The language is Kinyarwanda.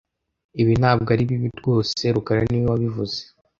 Ibi ntabwo ari bibi rwose rukara niwe wabivuze